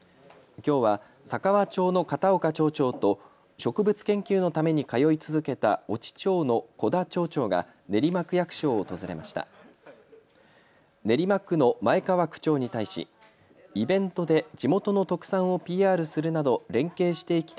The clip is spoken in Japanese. きょうは佐川町の片岡町長と植物研究のために通い続けた越知町の小田町長が練馬区役所を訪れました。